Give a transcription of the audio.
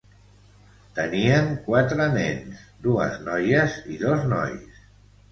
Tenien quatre nens, dues noies i dos nois.